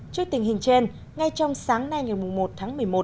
trước tình hình trên ngay trong sáng nay ngày một tháng một mươi một